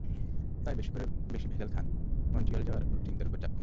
তাই বেশি করে দেশি ভেজাল খান, মন্ট্রিয়ল যাওয়ার চিন্তার ওপর চাপ কমান।